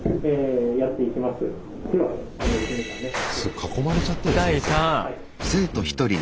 囲まれちゃってる先生に。